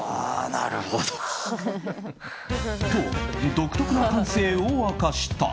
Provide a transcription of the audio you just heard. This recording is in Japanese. と、独特な感性を明かした。